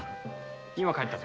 今帰ったぞ。